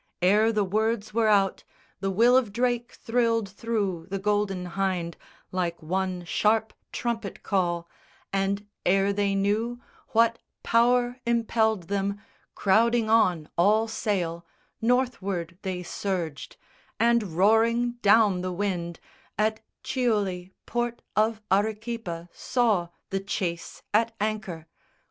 Ere the words were out, The will of Drake thrilled through the Golden Hynde Like one sharp trumpet call, and ere they knew What power impelled them, crowding on all sail Northward they surged, and roaring down the wind At Chiuli, port of Arequipa, saw The chase at anchor.